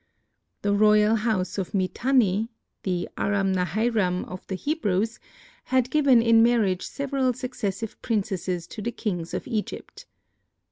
The royal house of Mitanni—the Aram Nahairam of the Hebrews—had given in marriage several successive princesses to the kings of Egypt.